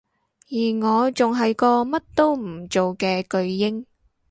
而我仲係個乜都唔做嘅巨嬰